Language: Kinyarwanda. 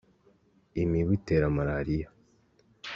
imibu itera marariya